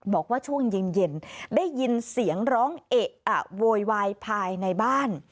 บอกว่าช่วงเย็นได้ยินเสียงร้องเอะอะโวยวายภายในบ้าน